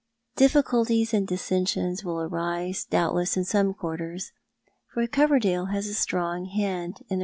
Difficulties and dissensions will arise doubt less in some quarters, for Coverdale has a strong hand in the Postsn ipf.